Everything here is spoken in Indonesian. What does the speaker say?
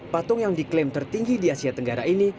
patung yang diklaim tertinggi di asia tenggara ini